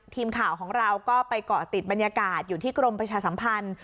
ทีมข่าวของเราก็ไปเกาะติดบรรยากาศอยู่ที่กรมประชาสัมพันธ์